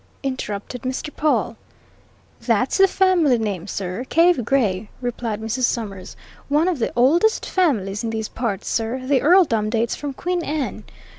interrupted Mr. Pawle. "That's the family name, sir Cave Gray," replied Mrs. Summers. "One of the oldest families in these parts, sir the earldom dates from Queen Anne.